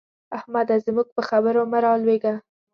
احمده! زموږ په خبرو کې مه رالوېږه.